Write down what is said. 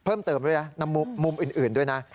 เพิ่มเติมด้วยนะมุมอื่นด้วยนะ